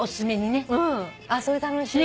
それ楽しい。